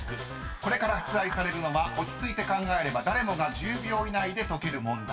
［これから出題されるのは落ち着いて考えれば誰もが１０秒以内で解ける問題。